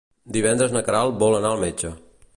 Divendres na Queralt vol anar al metge.